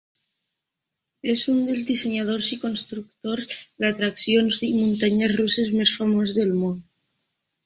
És un dels dissenyadors i constructors d'atraccions i muntanyes russes més famós del món.